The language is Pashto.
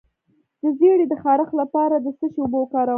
د زیړي د خارښ لپاره د څه شي اوبه وکاروم؟